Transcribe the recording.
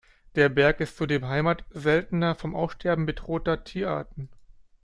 Der Berg ist zudem Heimat seltener, vom Aussterben bedrohter Tierarten.